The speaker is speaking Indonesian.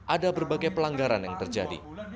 ada berbagai pelanggaran yang terjadi